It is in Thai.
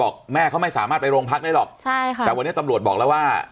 แม่เขาไม่สามารถไปโรงพักได้หรอกใช่ค่ะแต่วันนี้ตำรวจบอกแล้วว่า